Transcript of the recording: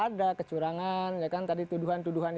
ada kecurangan tadi tuduhan tuduhan